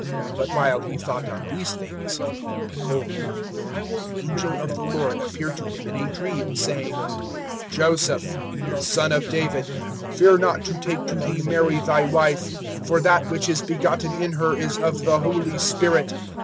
(20)But while he thought on these things, behold, an angel of the Lord appeared to him in a dream, saying: Joseph, son of David, fear not to take to thee Mary thy wife; for that which is begotten in her is of the Holy Spirit.